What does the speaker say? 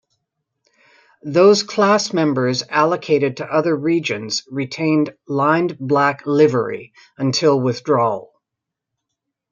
Those class members allocated to other regions retained lined black livery until withdrawal.